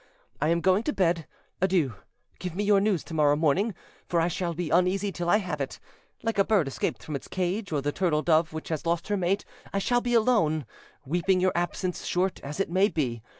I am going to bed: adieu; give me your news to morrow morning; for I shall be uneasy till I have it. Like a bird escaped from its cage, or the turtle dove which has lost her mate, I shall be alone, weeping your absence, short as it may be.